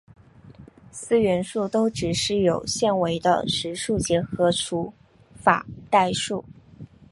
四元数都只是有限维的实数结合除法代数。